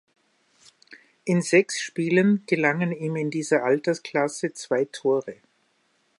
In sechs Spielen gelangen ihm in dieser Altersklasse zwei Tore.